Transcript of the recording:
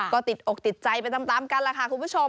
ก็ติดอกติดใจไปตามกันล่ะค่ะคุณผู้ชม